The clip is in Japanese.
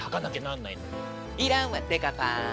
要らんわデカパン！